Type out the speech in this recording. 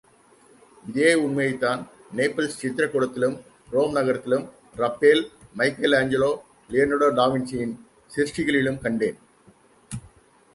இதே உண்மையைத்தான் நேப்பிள்ஸ் சித்திரக் கூடத்திலும், ரோம் நகரத்திலும், ரப்பேல், மைக்கேல் ஆஞ்சலோ, லியனார்டோ டாவின்சியின் சிருஷ்டிகளிலும் கண்டேன்.